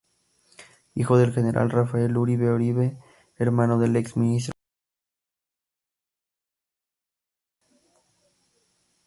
Hijo del general Rafael Uribe Uribe y hermano del ex Ministro Carlos Uribe Gaviria.